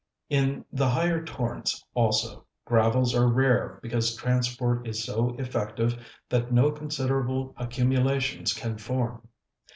In the higher torrents also, gravels are rare because transport is so effective that no considerable accumulations can form.